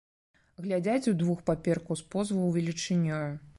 Глядзяць удвух паперку з позву велічынёю.